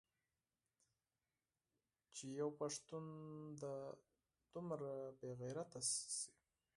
چې يو پښتون دې دومره بې غيرته سي.